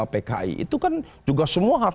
pki itu kan juga semua harus